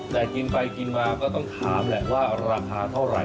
แต่กินไปกินมาก็ต้องถามแหละว่าราคาเท่าไหร่